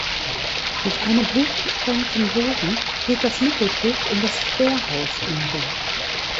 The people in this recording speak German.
Mit einem hochgesprengten Bogen geht das Mittelschiff in das Querhaus über.